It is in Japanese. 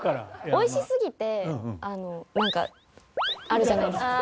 美味しすぎてなんかあるじゃないですか。